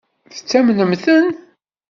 Tettamnemt-ten?